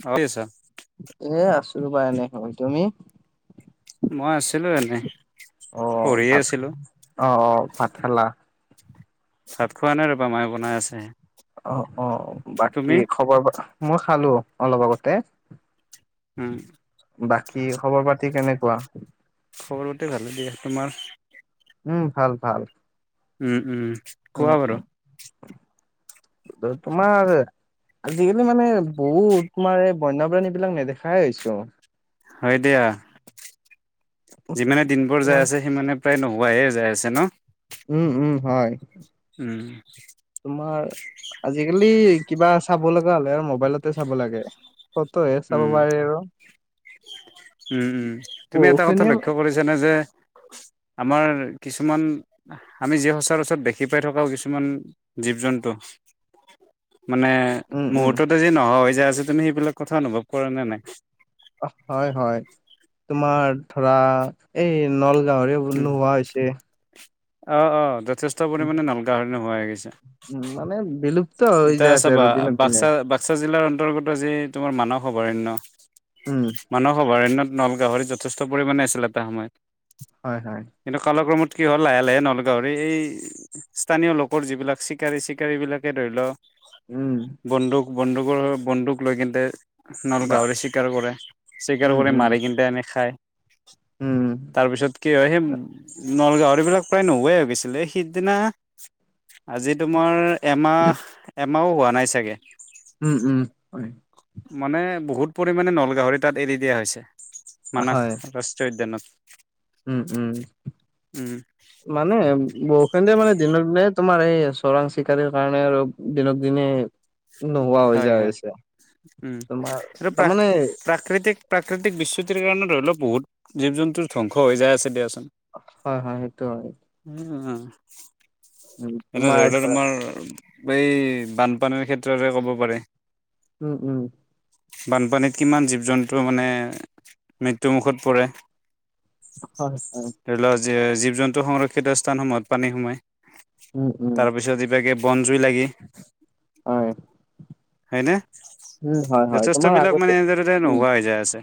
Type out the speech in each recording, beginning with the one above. ঠিকেই আছা এ আছো ৰ বা এনে হয় তুমি মই আছিলো এনেই অ পঢ়িয়ে ভাত আছিলো অ অ ভাত খালা ভাত খোৱা নাই ৰ'বা মায়ে বনাই আছে অ অ বাকী তুমি খবৰ মই খালো অলপ আগতে উম বাকী খবৰ পাতি কেনেকোৱা খবৰ পাতি ভালে দিয়া তোমাৰ উম ভাল ভাল। উম উম। উম কোৱা উ [unintelligible] ত তোমাৰ আজিকালি মানে বহুত তোমাৰ এই বন্যপ্ৰাণী বিলাক নেদেখাই হৈছো হয় দিয়া যিমানে দিনবোৰ যাই তোমাৰ আছে সিমানে প্ৰায় নোহোৱাহে যায় আছে ন উম উম হয় উম তোমাৰ, আজিকালি কিবা চাব লগা হলে আৰু মোবাইলতে চাব লাগে। ফট হে চাব উম পাৰে আৰু। উম উম, তুমি এটা কথা বহুখিনিয়ে লক্ষ্য কৰিছানে যে আমাৰ কিছুমান আমি যি সচৰাচৰত দেখি পাই থকাও কিছুমান জীৱ - জন্তু মানে উম উম মুহূৰ্ততে যি নোহোৱা হৈ যায় আছে তুমি সেইবিলাক কথা অনুভৱ কৰা নে নাই? হয় হয়, তোমাৰ ধৰা এই নলগাহৰি বোৰ উম নোহোৱা হৈছে। অ অ যথেষ্ট পৰিমাণে নলগাহৰি নোহোৱা হৈ গৈছে। উম মানে বিলুপ্ত হৈ এতিয়া যায় আছে চাবা আৰু দিনক - দিনে। বাক্সা বাক্সা জিলাৰ অন্তৰ্গত যে তোমাৰ মানৱ অভয়াৰণ্য উম। মানস অভয়াৰণ্যত নল গাহৰি যথেষ্ট পৰিমাণে আছিল এটা সময়ত। হয় হয়। কিন্তু কালক্ৰমত কি হ'ল লাহে লাহে নলগাহৰি এই স্থানীয় লোকৰ যিবিলাক চিকাৰী - চিকাৰী বিলাকে ধৰি লও উম। বন্দুক, বন্দুকৰ বন্দুক লৈ কিন্তে নল বা গাহৰি চিকাৰ কৰে, চিকাৰ উম, কৰি উম, মাৰি কিনে এনে খায়। উম, তাৰপিছত কি হয় সি নলগাহৰিবিলাক প্ৰায় নোহোৱাই হৈ গৈছিলে, সিদিনা আজি তোমাৰ এমাহ এমাও হোৱা নাই চাগে। উম, উম, হয়। মানে বহুত পৰিমাণে নলগাহৰি তাত এৰি দিয়া হৈছে। মানাস হয়। ৰাষ্ট্ৰীয় উদ্যানত। উম, উম। উম মানে বহুখিনিয়ে মানে দিনক দিনে তোমাৰ এই চৰাং চিকাৰীৰ কাৰণে আৰু দিনক দিনে নোহোৱা হৈ হয় যায় হয় আছে, উম তোমাৰ আৰু প্ৰাক তাৰমানে প্ৰাকৃতিক প্ৰাকৃতিক বিচ্যুতিৰ কাৰণে ধৰি লওক বহুত জীৱ-জন্তুৰ ধ্বংস হৈ যায় আছে দিয়াচোন। হয়, হয় সেইটো হয়। [unintelligible] উম, এনে তোমাৰ ধৰি লোৱা ধৰা তোমাৰ এই বানপানীৰ ক্ষেত্ৰতে ক'ব পাৰে। উম, উম। বানপানীত কিমান জীৱ-জন্তু মানে মৃত্যুমুখত পৰে। হয়, হয়। ধৰি লওক জী জীৱ-জন্তু সংৰক্ষিত স্থানসমূহত পানী সোমায়। উম, উম, তাৰপিছত কিবাকে বন জুই লাগি, হয়, হয়নে? উম হয়, হয়। যথেষ্ট তোমাৰ বিলাক মানে আগতে, এনেদৰে উম। নোহোৱা হৈ যায় আছে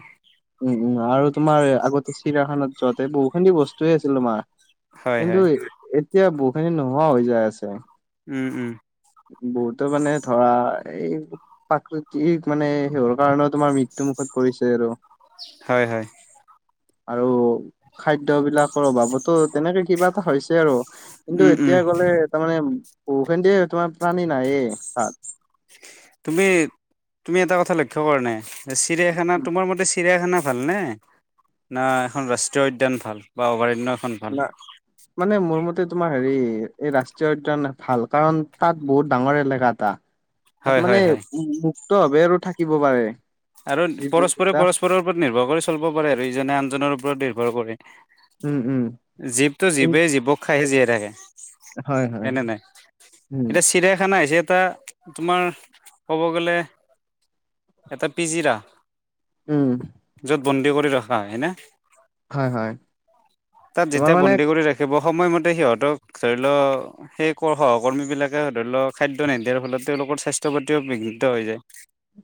উম উম আৰু তোমাৰ আগতে চিৰিয়াখানাত যোৱাতে বহুখিনি বস্তুয়ে আছিল তোমাৰ। হয় কিন্তু হয় এ এতিয়া বহুখিনি নোহোৱা হৈ যায় আছে। উম, উম। বহুতো মানে ধৰা এই প্ৰাকৃতিক মানে সেহৰ কাৰণেও তোমাৰ মৃত্যুমুখত পৰিছে আৰু। হয়, হয়। আৰু খাদ্যবিলাকৰ অভাৱতো তেনেকে কিবা এটা হৈছে আৰু। কিন্তু উম উম এতিয়া গ'লে তাৰমানে বহুখিন দিয়ে তোমাৰ প্ৰাণী নায়েই তাত। তুমি তুমি এটা কথা লক্ষ্য কৰা নাই, চিৰিয়াখানা তোমাৰ মতে চিৰিয়াখানা ভালনে না এখন ৰাষ্ট্ৰীয় উদ্যান ভাল বা অভয়াৰণ্য এখন না [inaudible] মানে মোৰ মতে তোমাৰ হেৰি এই ৰাষ্ট্ৰীয় উদ্যান ভাল, কাৰণ তাত বহুত ডাঙৰ এলেকা এটা [inaudible] তাত মানে হয় উ মুক্তভাৱে আৰু থাকিব পাৰে। আৰু জীৱ জন্তু পৰস্পৰে বিলাক পৰস্পৰৰ ওপৰত নিৰ্ভৰ কৰি চলব পাৰে আৰু ইজনে আনজনৰ ওপৰত নিৰ্ভৰ কৰি। উম, উম। জীৱটো জীৱেই জীৱক খাইয়ে জীয়াই থাকে। হয় হয় এনে নাই উম এতিয়া চিৰিয়াখানা হৈছে এটা তোমাৰ ক'ব গ'লে এটা পিজিৰা। উম। যত বন্দী কৰি ৰখা হয় না? হয় হয় তাত তোমাৰ যেতিয়া মানে বন্দী কৰি ৰাখ খেবৰ সময়মতে সিহঁতক ধৰি ল সেই সহকৰ্মীবিলাকে ধৰি লওক খাদ্য নিদিয়াৰ ফলত তেওঁলোকৰ স্বাস্থ্য পাতিও বিঘ্নিত হৈ যায়।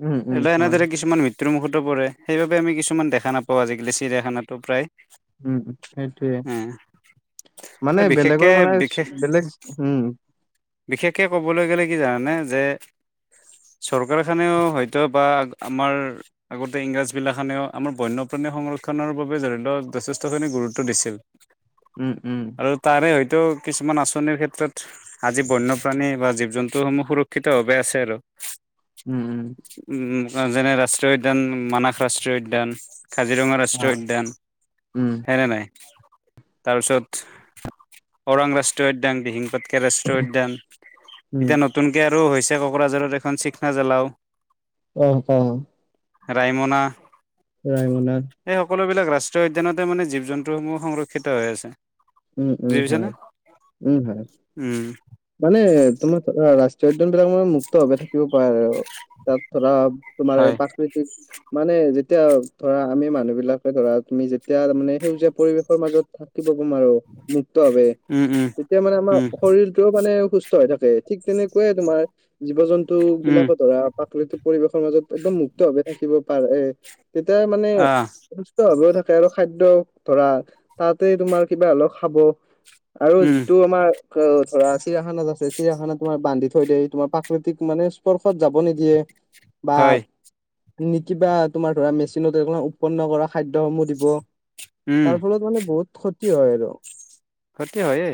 উম উম এইবিলাক হয় এনেদৰে কিছুমান মৃত্যুৰমুখতো পৰে। সেইবাবে আমি কিছুমান দেখা নাপাওঁ আজি-কালি চিৰিয়াখানাটো প্ৰায়। উম সেইটোৱে এ মানে বিশেষকে বেলেগৰ মানে বিশেষ বেলেগ হুম বিশেষকে ক'বলৈ গ'লে কি জানানে যে চৰকাৰখানেও হয়তো বা আমাৰ আগতে ইংৰাজবিলাখনেও আমাৰ বন্যপ্ৰাণী সংৰক্ষণৰ বাবে জড়িত যথেষ্টখিনি গুৰুত্ব দিছিল। [inaudible] উম-উম। আৰু তাৰে হয়তো কিছুমান আঁচনিৰ ক্ষেত্ৰত আজি বন্যপ্ৰাণী বা জীৱ জন্তু সমূহ সুৰক্ষিত ভাৱে আছে আৰু। উম-উম। উম যেনে ৰাষ্ট্ৰীয় উদ্যান মানস ৰাষ্ট্ৰীয় উদ্যান কাজিৰঙা হা ৰাষ্ট্ৰীয় উদ্যান উম হয় নে নাই। তাৰপিছত ওৰাং ৰাষ্ট্ৰীয় উদ্যান দিহিং পাত [unintelligible] ৰাষ্ট্ৰীয় উদ্যান উম এতিয়া নতুনকৈ আৰু হৈছে কোকৰাঝাৰৰ এখন শিখনা জৌলাও। অ', অ। ৰাইমনা। ৰাইমনা। সেই সকলোবিলাক ৰাষ্ট্ৰীয় উদ্যানতে মানে জীৱ জন্তুসমূহ সংৰক্ষিত হৈ আছে। উম-উম বুজি পাইছানে? হয় উম হয়। উম মানে তোমাৰ ৰাষ্ট্ৰীয় উদ্যান বিলাক মানে মুক্তভাৱে থাকিব পাৰে আৰু তাত ধৰা তোমাৰ এই হয় প্ৰাকৃতিক মানে যেতিয়া ধৰা আমি মানুহ বিলাকে ধৰা তুমি যেতিয়া তাৰ মানে সেউজীয়া পৰিৱেশৰ মাজত থাকিব নোৱাৰো মুক্ত ভাৱে উম উম তেতিয়া মানে আমাৰ উম শৰীৰ টো মানে সুস্থ হৈ থাকে ঠিক তেনেকুৱাই তোমাৰ জীৱ জন্তু উম বিলাকো ধৰা প্ৰাকৃতিক পৰিৱেশৰ মাজত একদম মুক্ত ভাৱে থাকিব পাৰে তেতিয়া মানে আহ সুস্থ ভাৱেও থাকে আৰু খাদ্য ধৰা তাতে তোমাৰ কিবা হলেও খাব। আৰু উম যিটো আমাৰ অ', ধৰা চিৰিয়াখানাত আছে চিৰায়াখানাত তোমাৰ বান্ধি থৈ দিয়ে তোমাৰ প্ৰাকৃতিক মানে স্পৰ্শত যাব নিদিয়ে। বা হয় নিকিবা তোমাৰ ধৰা মেচিনত [unintelligible] উৎপন্ন কৰা খাদ্যসমূহ দিব। উম তাৰ ফলত মানে বহুত ক্ষতি হয় আৰু। সিহঁতি হয়ে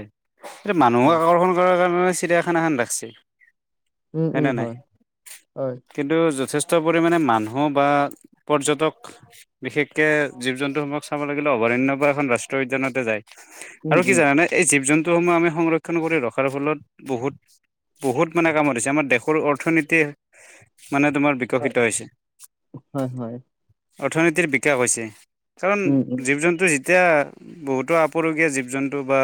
এই মানুহক আকৰ্ষণ কৰাৰ কাৰণে চিৰিয়াখানাখান ৰাখচি। উম-উম, হয়-হয়। কিন্তু যথেষ্ট পৰিমাণে মানুহ বা পৰ্যটক বিশেষকে জীৱ জন্তুসমূহক চাব লাগিলে অভয়াৰণ্য বা এখন ৰাষ্ট্ৰীয় উদ্যানতে যায়। উম আৰু কি উম হয় জানোনে এই জীব জন্তুসমূহ আমি সংৰক্ষণ কৰি ৰখাৰ ফলত বহুত বহুত মানে কামত হয়চে আমাৰ দেশৰ অৰ্থনীতি মানে তোমাৰ উপক্ৰিত হৈছে হয় হয় অৰ্থনীতিৰ বিকাশ হৈছে। কাৰণ উম উম জীব জন্তু যেতিয়া বহুতো আপোৰুগীয়া জীব জীৱ জন্তু বা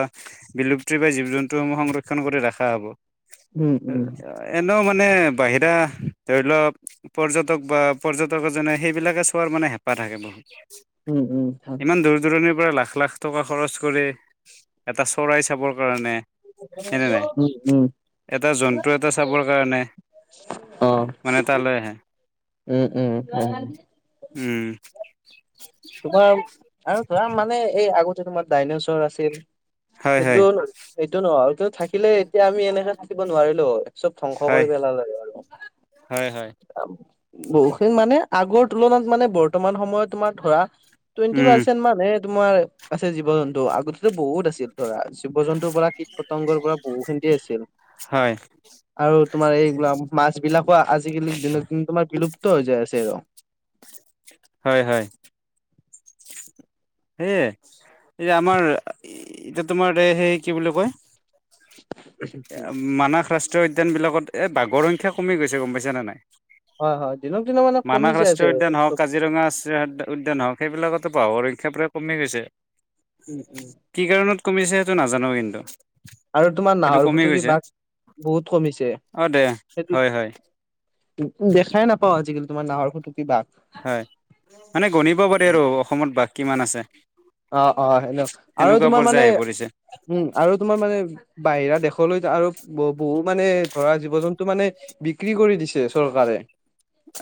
বিলুপ্তি বা জীৱ জন্তুসমূহ সংৰক্ষণ কৰি ৰাখা হব উম উম এনেও মানে বাহিৰা ধৰি লওক পৰ্যটক বা পৰ্যটক এজনে সেইবিলাকে চোৱাৰ মানে হেঁপাহ থাকে বহুত। উম উম ইমান দূৰ দূৰণিৰ পৰা লাখ-লাখ টকা খৰচ কৰে। এটা চৰাই চাবৰ কাৰণে। [unintelligible] নাই উম উম এটা জন্তু এটা চাবৰ কাৰণে। মানে তালৈ আহে। উম-উম-উম। উম। তোমাৰ আৰু ধৰা মানে এই আগতে তোমাৰ ডাইনেচৰ আছিল। হয় হয় সেইটো-সেইটো [unintelligible] থাকিলে এতিয়া আমি এনেকে থাকিব নোৱাৰিলো হয়। চব ধ্বংস হয় কৰি পেলালে হয় আৰু হয় হয় বহুখিনি মানে আগৰ তুলনাত মানে বৰ্তমান সময়ত তোমাৰ ধৰা টুৱেণ্টি উম পাৰ্চেন্ট মানে তোমাৰ আছে জীৱ জন্তু আগতেটো বহুত আছিল ধৰা জীৱ জন্তুৰ পৰা কীট পতংগৰ পৰা বহুখিনতি আছিল। হয়। আৰু তোমাৰ এইবিলাক মাছ বিলাকো আজিকালি দিনে দিন তোমাৰ বিলুপ্ত হৈ যায় আছে ৰ হয় হয় সেয়ে এই আমাৰ এতিয়া তোমাৰ এই সেই কি বুলি কয় উম। মানাস ৰাচ ৰাষ্টীয় উদ্যান বিলাকত এ বাগৰ সংখ্যা কমি গৈছে গম পাইছা নে নাই হয় হয় দিনক দিনে মানে কমি মানস যাই আছে ৰাষ্ট্ৰীয় আৰু। উদ্যান হওক কাজিৰঙাছ উ উদ্যান হওক সেইবিলাকতো বাঘৰ সংখ্যা পুৰা কমি গৈছে উম উম কি কাৰণত কমিছে সেইটো নাজানো কিন্তু আৰু তোমাৰ কিন্তু নাহৰ কমি ফুটুকী গৈছে বাঘ বহুত কমিছে অ দে সেইটো হয় হয় উম দেখাই নাপাও আজিকালি তোমাৰ নাহৰ ফুটুকী বাঘ হয় মানে গণিব পাৰি আৰু অসমত বাঘ কিমান আছে অ অ হেল্ল আৰু সেনেকুৱা তোমাৰ পৰ্যায় মানে আহি পৰিছে উম আৰু তোমাৰ মানে বাহিৰা দেশলৈ আৰু বহু বহু মানে ধৰা জীৱ জন্তু মানে বিক্ৰী কৰি দিছে চৰকাৰে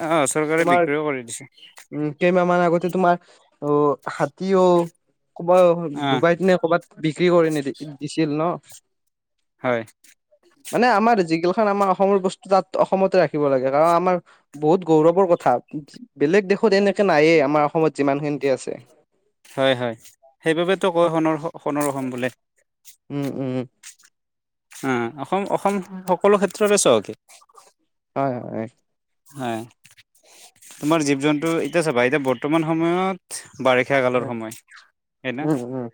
অহ চৰকাৰে বিক্ৰীও কৰি দিছে উ কেইমাহ মান আগতে তোমাৰ অ হাতী অ ক'বাত অ ডুবাইত নে ক'বাত বিক্ৰী কৰি নিদি দিছিল ন হয় মানে আমাৰ যিগিলাখন আমাৰ অসমৰ বস্তু তাত অসমতে ৰাখিব লাগে কাৰণ আমাৰ বহুত গৌৰৱৰ কথা বেলেগ দেশত এনেকে নায়েই আমাৰ অসমত যিমান খিনি আছে হয় হয় সেইবাবেতো কয় সোণৰ সোণৰ অসম বুলি উম উম উম অসম অসম সকলো ক্ষেত্ৰতে চহকী হয় হয় হয় তোমাৰ জীৱ জন্তু এতিয়া চাবা এতিয়া বৰ্তমান সময়ত বাৰিষা কালৰ সময় হয় না উম উম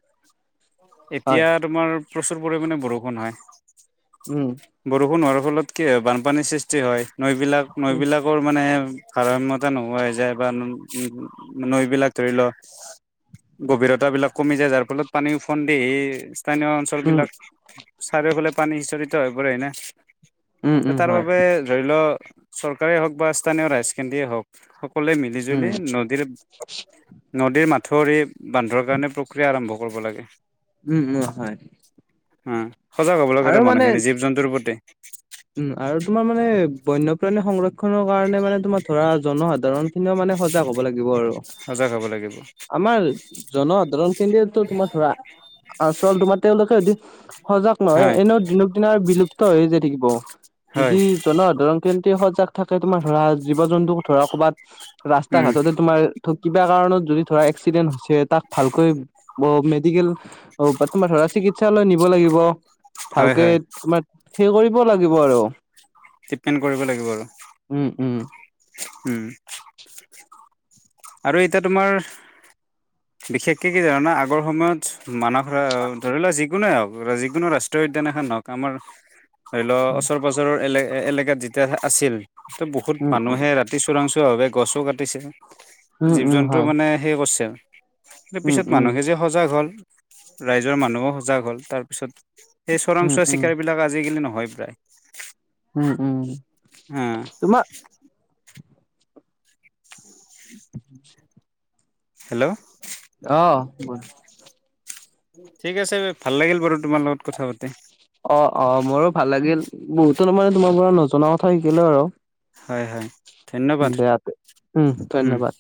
হয় এতিয়াত তোমাৰ প্ৰচুৰ পৰিমাণে বৰষুণ হয়। উম বৰষুণ হোৱাৰ ফলত কি হয় বানপানীৰ সৃষ্টি হয় নৈবিলাক উম নৈবিলাক বোৰ মানে ভাৰসাম্যতা নোহোৱা হৈ যায় বা নো ন নৈবিলাক ধৰি ল গভীৰতা বিলাক কমি যায় যাৰ ফলত পানী উফন্দি আহি স্থানীয় অঞ্চ ঞ্চলবিলাক চাৰিওফালে পানী সিচৰিত হৈ পৰে নে উম এ উম তাৰ হয় বাবে ধৰি ল চৰকাৰেই হওক বা স্থানীয় ৰাইজকেন্দ্ৰিয়েই হওক সকলোৱে মিলি উম জুলি নদীৰ নদীৰ মাথউৰি বান্ধৰ কাৰণে প্ৰক্ৰিয়া আৰম্ভ কৰিব লাগে উম উম হয় উম সজাগ হব আৰু লাগেতো মানে মানুহে জীৱ জন্তুৰ প্ৰতি উম আৰু তোমাৰ মানে বন্যপ্ৰাণী সংৰক্ষনৰ কাৰণে মানে তোমাৰ ধৰা জনসাধাৰণ স মানে সজাগ হ'ব লাগিব আৰু। সজাগ হব লাগিব। আমাৰ জনসাধাৰণ কেন্দ্ৰীয়তো তোমাৰ ধৰা আচল তোমাৰ তেওঁলোকে যদি সজাগ নহয় হয় এনেও দিনক দিনা বিলুপ্ত হৈ যায় থাকিব। হয় যদি জনসাধাৰণ তেন্তে সজাগ থাকে তোমাৰ ধৰা জীৱ জন্তু ধৰা ক'বাত ৰাস্তা উম ঘাটতে তোমাৰ কিবা কাৰণত যদি ধৰা এক্সিডেন্ট হৈছে তাক ভালকৈ বৌ মেডিকেল অ তোমাৰ ধৰা চিকিৎসালয়লৈ নিব লাগিব। হয় ভালকে হয় তোমাৰ হেৰি কৰিব লাগিব আৰু। ট্ৰিটমেণ্ট কৰিব লাগিব আৰু উম উম উম আৰু এতিয়া তোমাৰ বিশেষকে কি জানা না আগৰ সময়ত মানস ধৰা ধৰি লোৱা যিকোনোৱে হওক যিকোনো ৰাষ্ট্ৰীয় উদ্যান এখন লক আমাৰ ধৰি লও ওচৰ পাজৰৰ এলে এলেকাত যেতিয়া আছিল। বহুত উম উম মানুহে ৰা- কি চোৰাংচোৰা ভাৱে গছো কাটিছে। উম জীৱ উম জন্তু হয় মানে সে কৰছে উম পিছত উম মানুহে যে সজাগ হল। ৰাইজৰ মানুহো সজাগ হ'ল। তাৰ পিছত সেই উম চোৰাংচোৱা উম চিকাৰী বিলাক আজিকালি নহয় প্ৰায়। উ উম। উম। তোমা- [inaudible] [inaudible] হেল্ল' অহ [unintelligible] ঠিক আছে ভাল লাগিল বাৰু তোমাৰ লগত কথা পাতি। অ অ মোৰো ভাল লাগিল বহুতো ত মানে তোমাৰ পৰা নজনা কথা শিকিলো আৰু। হয় হয় ধন্যবাদ দিয়া দে উম ধন্যবাদ।